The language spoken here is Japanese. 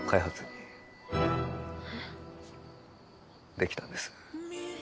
できたんです。